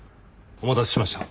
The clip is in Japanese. お待たせしました。